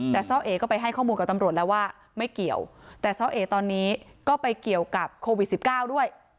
แต่ซ่อเอก็ไปให้ข้อมูลกับตำรวจแล้วว่าไม่เกี่ยวแต่ซ่อเอตอนนี้ก็ไปเกี่ยวกับโควิด๑๙ด้วย